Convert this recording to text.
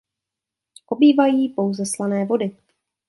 Obývají pouze slané vody.